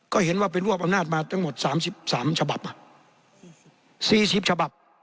ก็เห็นว่าเป็นรวบอำนาจมาตั้งหมดสามสิบสามฉบับอ่ะสี่สิบฉบับ